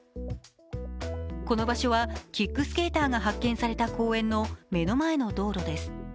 この場所はキックスケーターが発見された公園の目の前の道路です。